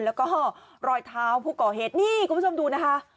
แล้วก็รอยเท้าผู้ก่อเหตุนี่คุณผู้ชมดูนะคะ